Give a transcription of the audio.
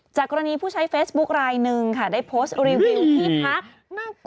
กรณีผู้ใช้เฟซบุ๊คลายหนึ่งค่ะได้โพสต์รีวิวที่พัก